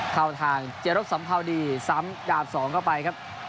เข้าทางเจรบสัมภาวดีซ้ำดาบ๒เข้าไปครับ